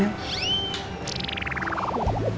papa emang penjaga mama